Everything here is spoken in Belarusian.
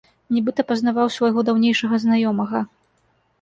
Нібыта пазнаваў свайго даўнейшага знаёмага.